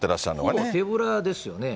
ほぼ手ぶらですよね。